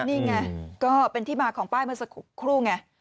นี่ไงก็เป็นที่มาของป้ายเมื่อสักครู่ไง